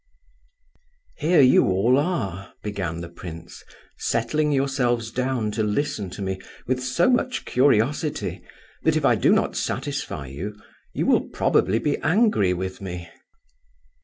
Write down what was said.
"Here you all are," began the prince, "settling yourselves down to listen to me with so much curiosity, that if I do not satisfy you you will probably be angry with me.